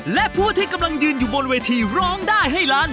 และผู้ที่กำลังยืนอยู่บนเวทีร้องได้ให้ล้าน